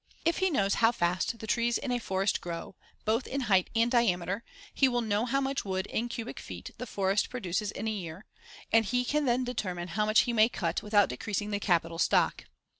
If he knows how fast the trees in a forest grow, both in height and diameter, he will know how much wood, in cubic feet, the forest produces in a year, and he can then determine how much he may cut without decreasing the capital stock.